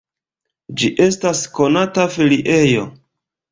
Ĝi estas konata feriejo.